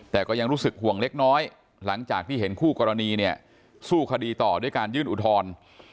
แต่ก็ยังรู้สึกห่วงเล็กน้อยหลังจากที่เห็นคู่กรณีเนี่ยสู้คดีต่อด้วยการยื่นอุทธรณ์